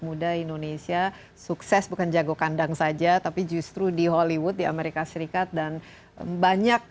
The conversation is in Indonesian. muda indonesia sukses bukan jago kandang saja tapi justru di hollywood di amerika serikat dan banyak